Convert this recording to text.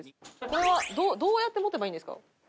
これはどうやって持てばいいんですか？